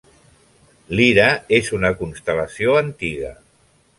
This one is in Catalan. Lira és una constel·lació antiga.